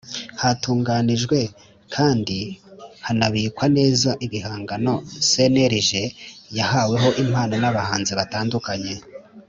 Hatunganijwe kandi hanabikwa neza ibihangano cnlg yahaweho impano n abahanzi batandukanye